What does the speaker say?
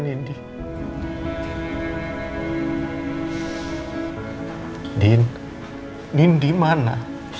tidak ada apa apa